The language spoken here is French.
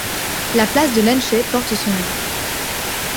La place de Lenche porte son nom.